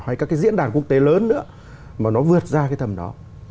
hay các cái diễn đàn quốc tế lớn nữa mà nó vượt ra cái thầm đó